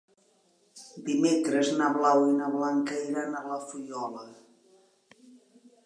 Dimecres na Blau i na Blanca iran a la Fuliola.